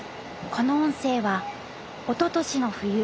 この音声はおととしの冬